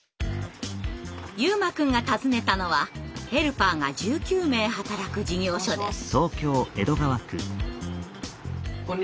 悠真くんが訪ねたのはヘルパーが１９名働く事業所です。